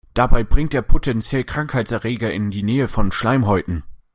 Damit bringt er potenziell Krankheitserreger in die Nähe von Schleimhäuten.